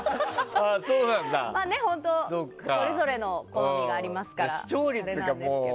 それぞれの好みがありますからあれなんですけど。